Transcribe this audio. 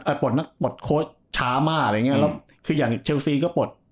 ปลดนักปลดโค้ชช้ามากอะไรอย่างเงี้แล้วคืออย่างเชลซีก็ปลด